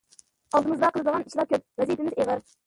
ئالدىمىزدا قىلىدىغان ئىشلار كۆپ، ۋەزىپىمىز ئېغىر.